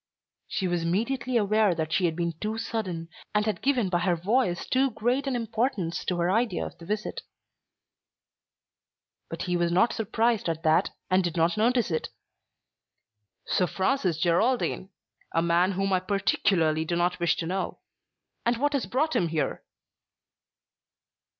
She was immediately aware that she had been too sudden, and had given by her voice too great an importance to her idea of the visit. But he was not surprised at that and did not notice it. "Sir Francis Geraldine! A man whom I particularly do not wish to know! And what has brought him here?"